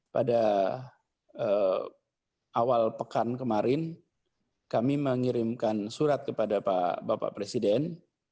pada awal pekan kemarin kami mengirimkan surat kepada bapak presiden